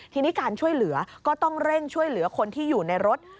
ทีนี้การช่วยเหลือก็ต้องเร่งช่วยเหลือคนที่อยู่ในรถ